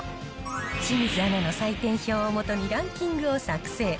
清水アナの採点表を基にランキングを作成。